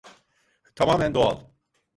Tamamen doğal.